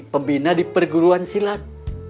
pembina di perguruan silat